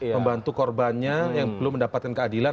membantu korbannya yang belum mendapatkan keadilan